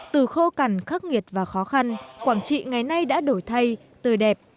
trong khắc nghiệt và khó khăn quảng trị ngày nay đã đổi thay tươi đẹp